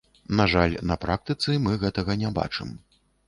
На жаль, на практыцы мы гэтага не бачым.